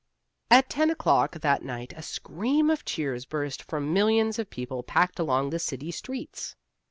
At ten o'clock that night a scream of cheers burst from millions of people packed along the city streets.